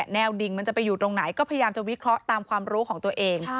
ดิ่งมันจะไปอยู่ตรงไหนก็พยายามจะวิเคราะห์ตามความรู้ของตัวเอง